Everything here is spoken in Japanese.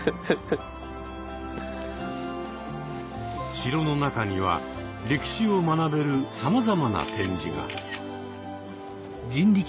城の中には歴史を学べるさまざまな展示が。